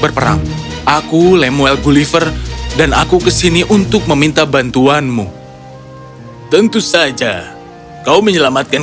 berperang aku lemuel gulliver dan aku kesini untuk meminta bantuanmu tentu saja kau menyelamatkan